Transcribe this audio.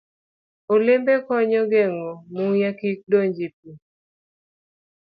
Olembego konyo e geng'o muya kik donj e pi.